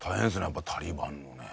やっぱりタリバンのね